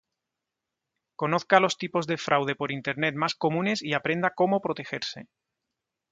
Conozca los tipos de fraude por internet más comunes y aprenda cómo protegerse.